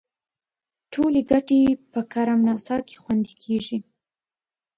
ټولې ګټې په کرم ناسا کې خوندي کیږي.